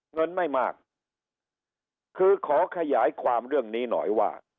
เงินไม่มากคือขอขยายความเรื่องนี้หน่อยว่า